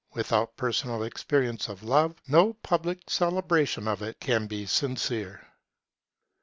Without personal experience of Love no public celebration of it can be sincere.